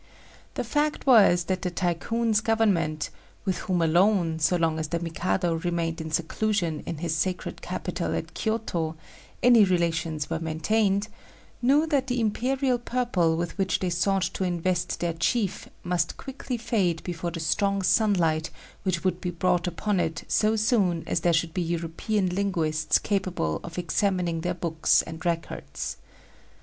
The fact was that the Tycoon's Government with whom alone, so long as the Mikado remained in seclusion in his sacred capital at Kiôto, any relations were maintained knew that the Imperial purple with which they sought to invest their chief must quickly fade before the strong sunlight which would be brought upon it so soon as there should be European linguists capable of examining their books and records.